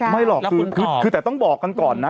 แล้วคุณตอบไม่หรอกคือแต่ต้องบอกกันก่อนนะ